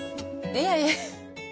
いえいえ。